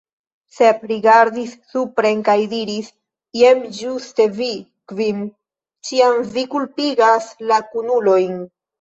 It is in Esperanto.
Sep rigardis supren kaj diris: "Jen ĝuste vi, Kvin; ĉiam vi kulpigas la kunulojn."